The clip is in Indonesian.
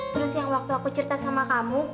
terus yang waktu aku cerita sama kamu